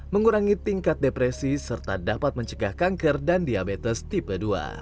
mengurangi tingkat depresi serta dapat mencegah kanker dan diabetes tipe dua